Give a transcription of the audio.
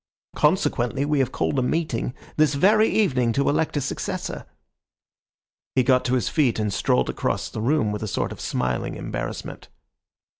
Consequently, we have called a meeting this very evening to elect a successor." He got to his feet and strolled across the room with a sort of smiling embarrassment.